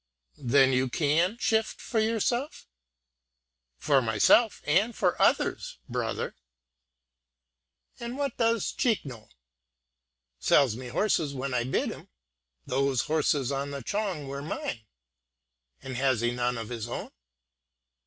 "Then you can shift for yourself?" "For myself and for others, brother." "And what does Chikno?" "Sells me horses, when I bid him. Those horses on the chong were mine." "And has he none of his own?"